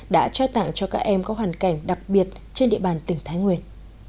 đã trao tặng cho các em có hoàn cảnh đặc biệt trên địa bàn tỉnh thái nguyên